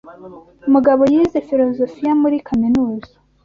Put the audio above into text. Mugabo yize filozofiya muri kaminuza.